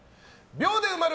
秒で埋まる！